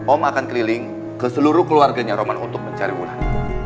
om akan keliling ke seluruh keluarganya roman untuk mencari ulah